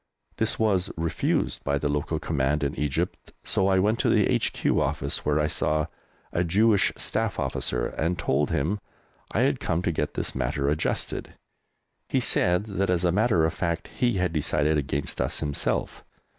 This was refused by the local command in Egypt, so I went to the H.Q. Office, where I saw a Jewish Staff Officer, and told him I had come to get this matter adjusted. He said that, as a matter of fact, he had decided against us himself.